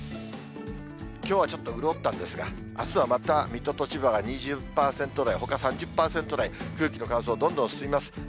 きょうはちょっと潤ったんですが、あすはまた水戸と千葉が２０％台、ほか３０％台、空気の乾燥どんどん進みます。